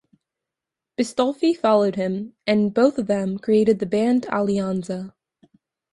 Bistolfi followed him, and both of them created the band Alianza.